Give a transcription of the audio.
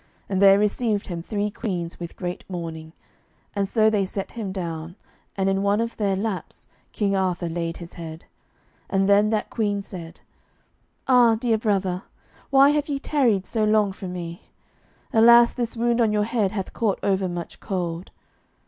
And there received him three queens with great mourning, and so they set him down, and in one of their laps King Arthur laid his head, and then that queen said, "Ah, dear brother, why have ye tarried so long from me? Alas, this wound on your head hath caught over much cold."